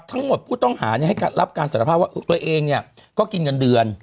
ผู้ต้องหาให้รับการสารภาพว่าตัวเองเนี่ยก็กินเงินเดือน